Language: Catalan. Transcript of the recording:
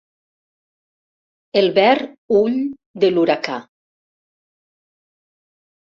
El ver ull de l'huracà.